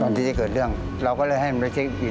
ที่จะเกิดเรื่องเราก็เลยให้มันไปเช็คอิน